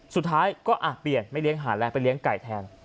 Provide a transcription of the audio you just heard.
สุดท้ายก็เปลี่ยนไม่เลี้ยงหาแรงไปเลี้ยงไก่แทน